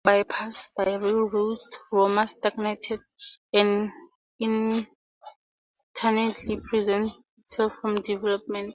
Bypassed by railroads, Roma stagnated and inadvertently preserved itself from development.